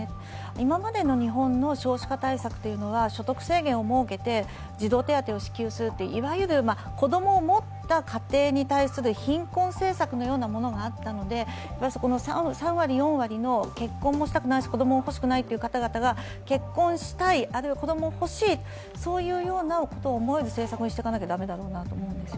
今までの日本の少子化対策というのは所得制限を設けて児童手当をしていくといういわゆる、子供を持った家庭に対する貧困政策のようなものがあったのでそこの３割、４割の結婚もしたくない、子供もほしくないという世代が結婚したい、あるいは子供を欲しいそういう政策にしていかないといけないと思います。